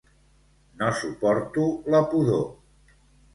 No suporto la pudor